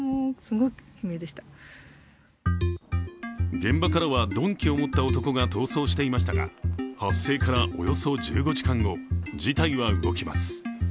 現場からは鈍器を持った男が逃走していましたが、発生からおよそ１５時間後事態は動きます。